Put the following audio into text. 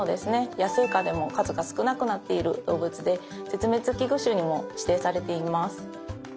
野生下でも数が少なくなっている動物で絶滅危惧種にも指定されています。